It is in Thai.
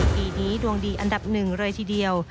ปีนี้ดวงดีอันดับหนึ่งเลยทีเดียว